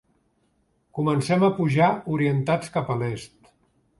Comencem a pujar orientats cap a l'est.